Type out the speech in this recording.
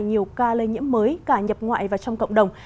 nhiều ca lây nhiễm mới cả nhập ngoại và trong cộng đồng